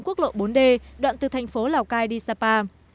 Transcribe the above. quốc lộ bốn d đoạn từ thành phố lào cai đi sapa